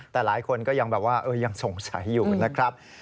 แต่หลายคนก็ยังสงสัยอยู่นะครับ